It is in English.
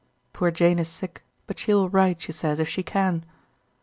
Poor Jane is sick, but she will write, she says, if she can.